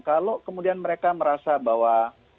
kalau kemudian mereka merasa bahwa